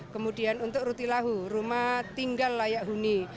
kemudian untuk rutilahu rumah tinggal layak huni